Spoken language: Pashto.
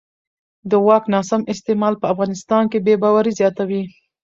د واک ناسم استعمال په افغانستان کې بې باورۍ زیاتوي